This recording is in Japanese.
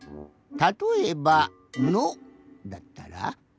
たとえば「の」だったら。